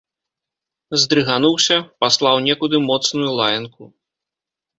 Здрыгануўся, паслаў некуды моцную лаянку.